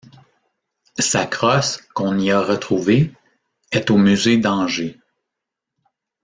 Sa crosse, qu'on y a retrouvée, est au musée d'Angers.